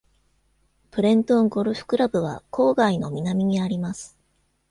プレントンゴルフクラブは郊外の南にあります。